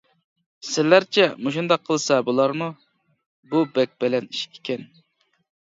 سىلەرچە مۇشۇنداق قىلساق بولارمۇ؟ بۇ بەك بەلەن ئىش ئىكەن.